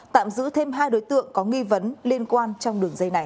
tạm giữ thêm hai đối tượng có nghi vấn liên quan trong đường dây này